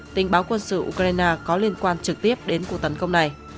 tình báo quân sự ukraine có liên quan trực tiếp đến cuộc tấn công này